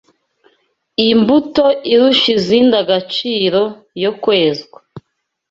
Imbuto irusha izindi agaciro yo kwezwa